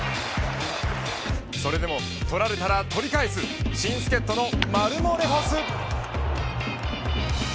それでも取られたら取り返す新助っ人のマルモレホス。